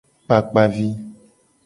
Kpakpa vi.